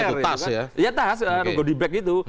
itu tas ya iya tas rugo di bag itu